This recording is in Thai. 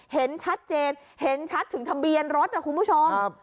เห็นชัดเจนเห็นชัดถึงทะเบียนรถนะคุณผู้ชม